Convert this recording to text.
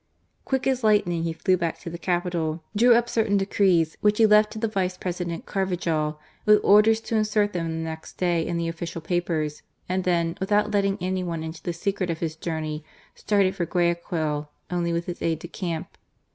Quick as lightning he flew back to the capital, drew up certain decrees which he left to the Vice President Carvajal, with orders to insert them the next day in the official papers, and then, without letting any one into the secret of his journey, started for Guayaquil, only with his aide de camp.